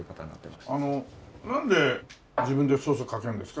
あのなんで自分でソースかけるんですか？